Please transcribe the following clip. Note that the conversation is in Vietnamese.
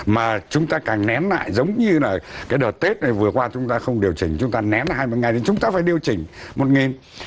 mà chúng ta càng nén lại giống như là cái đợt tết này vừa qua chúng ta không điều chỉnh chúng ta nén lại hai ngày thì chúng ta phải điều chỉnh một nghìn